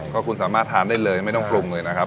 ก็คุณสามารถทานได้เลยไม่ต้องปรุงเลยนะครับ